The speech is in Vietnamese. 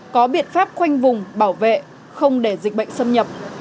có biện pháp khoanh vùng bảo vệ không để dịch bệnh xâm nhập